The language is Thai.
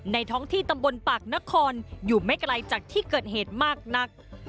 ท้องที่ตำบลปากนครอยู่ไม่ไกลจากที่เกิดเหตุมากนัก